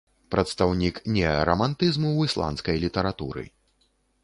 Прадстаўнік неарамантызму ў ісландскай літаратуры.